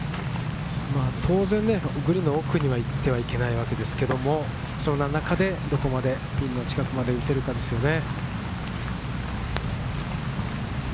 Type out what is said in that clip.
当然、グリーンの奥には行ってはいけないわけですけど、その中でどこまでピンの近くに打てるかですね。